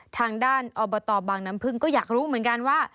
ทางด้านอบตบางน้ำพึ่งก็อยากรู้เหมือนกันว่า